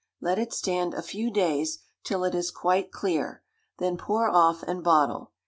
Let it stand a few days, till it is quite clear, then pour off and bottle.